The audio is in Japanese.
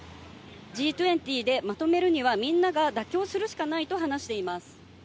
Ｇ２０でまとめるにはみんなが妥協するしかないと話しています。